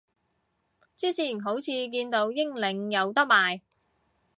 之前好似見到英領有得賣